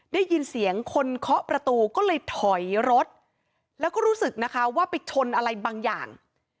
ได้ยินเสียงคนเคาะประตูก็เลยถอยรถแล้วก็รู้สึกนะคะว่าไปชนอะไรบางอย่าง